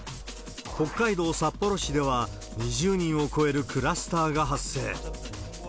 北海道札幌市では、２０人を超えるクラスターが発生。